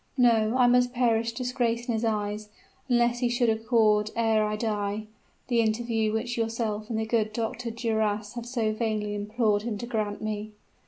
No; I must perish disgraced in his eyes, unless he should accord ere I die, the interview which yourself and the good Dr. Duras have so vainly implored him to grant me.'